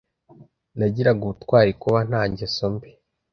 nagira ubutwari kuba nta ngeso mbi